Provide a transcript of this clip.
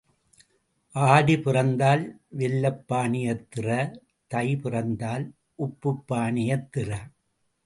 ஆடி பிறந்தால் வெல்லப் பானையைத் திற தை பிறந்தால் உப்புப் பானையைத் திற.